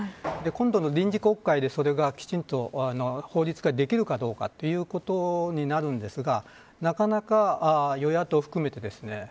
今度の臨時国会でこれがきちんと法律でできるかどうかということになるんですがなかなか与野党を含めてですね